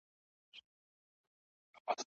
ايا انلاين درس د ځای محدوديت د منځه وړي؟